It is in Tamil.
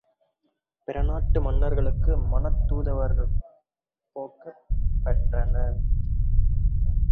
பிறநாட்டு மன்னர்களுக்கு மணத் தூதுவர்கள் போக்கப் பெற்றனர்.